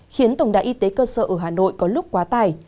khiến tổng đài y tế cơ sở ở hà nội có lúc quá tài